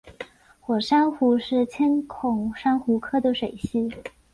火珊瑚是千孔珊瑚科的水螅。